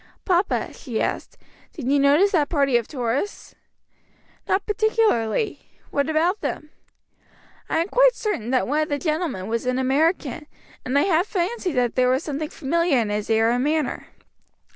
"Papa," she asked, "did you notice that party of tourists?" "Not particularly. What about them?" "I am quite certain one of the gentlemen was an American; and I half fancied there was something familiar in his air and manner."